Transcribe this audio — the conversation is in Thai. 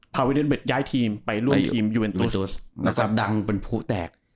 พาเวลเน็ตเวทย้ายทีมไปร่วมทีมแล้วก็ดังเป็นผู้แตก